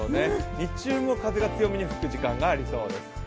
日中も風が強めに吹く時間がありそうです。